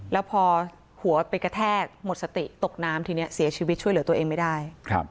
แล้วพอหัวไปกระแทกหมดสติตกน้ำทีนี้เสียชีวิตช่วยเหลือตัวเองไม่ได้